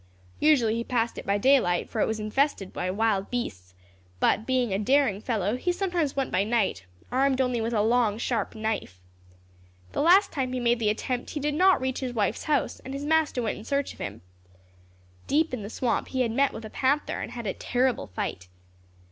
Usually he passed it by daylight, for it was infested by wild beasts; but being a daring fellow, he sometimes went by night, armed only with a long sharp knife. The last time he made the attempt he did not reach his wife's house, and his master went in search of him. Deep in the swamp he had met with a panther, and had a terrible fight.